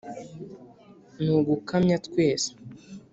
ni ugukamya twese